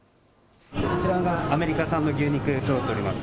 こちらがアメリカ産の牛肉、そろっております。